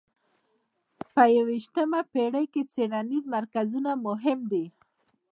په یویشتمه پېړۍ کې څېړنیز مرکزونه مهم دي.